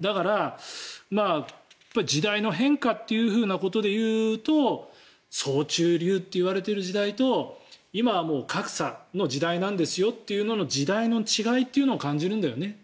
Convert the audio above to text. だから時代の変化ということで言うと総中流といわれている時代と今は格差の時代なんですよという時代の違いというのを感じるんだよね。